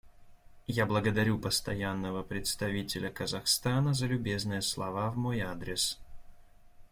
Я благодарю Постоянного представителя Казахстана за любезные слова в мой адрес.